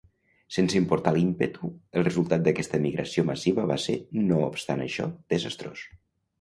Sense importar l'ímpetu, el resultat d'aquesta migració massiva va ser, no obstant això, desastrós.